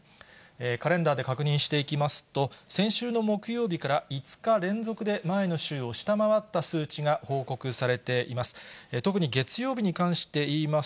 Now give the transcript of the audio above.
カレンダーで確認していきますと、先週の木曜日から、５日連続で前の週を下回った数値が報告されています。